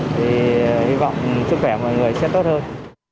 thì hy vọng sức khỏe của mọi người sẽ tốt hơn